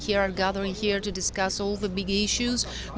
mereka bergabung di sini untuk membahas semua masalah besar